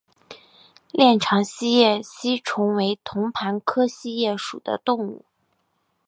链肠锡叶吸虫为同盘科锡叶属的动物。